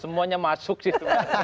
semuanya masuk sih